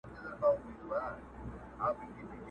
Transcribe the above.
دې تورو سترګو ته دي وایه!